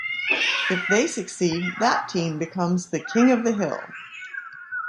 If they succeed, that team becomes The King of the Hill.